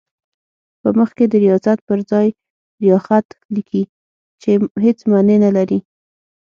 په مخ کې د ریاضت پر ځای ریاخت لیکي چې هېڅ معنی نه لري.